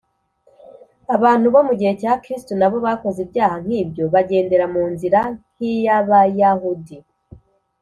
abantu bo mu gihe cya kristo nabo bakoze ibyaha nk’ibyo bagendera mu nzira nk’iy’abayahudi